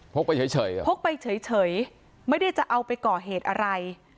กไปเฉยเหรอพกไปเฉยไม่ได้จะเอาไปก่อเหตุอะไร